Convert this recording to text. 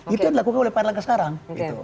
itu yang dilakukan oleh pak erlangga sekarang